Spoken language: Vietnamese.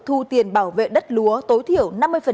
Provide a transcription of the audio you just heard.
thu tiền bảo vệ đất lúa tối thiểu